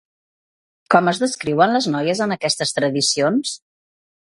Com es descriuen les noies en aquestes tradicions?